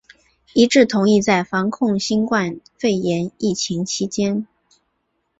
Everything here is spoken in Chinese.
一致同意在防控新冠肺炎疫情期间